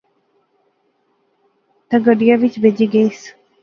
تہ گڈیا وچ بہجی گئیس